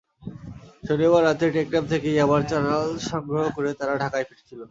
শনিবার রাতে টেকনাফ থেকে ইয়াবার চালান সংগ্রহ করে তারা ঢাকায় ফিরছিল।